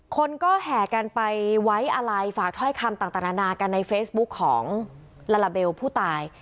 คนก็แห่กันไปไว้อะไรฝากถ้อยคำต่างนานากันในเฟซบุ๊กของลาลาเบลผู้ตาย